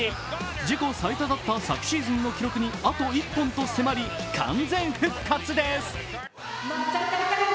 自己最多だった昨シーズンの記録にあと１本と迫り、完全復活です。